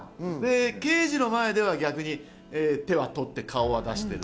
刑事の前では逆に手は取って顔を出してる。